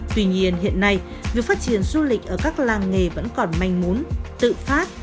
tuy nhiên hiện nay việc phát triển du lịch ở các làng nghề vẫn còn manh muốn tự phát